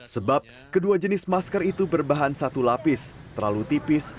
sebab kedua jenis masker itu berbahan satu lapis terlalu tipis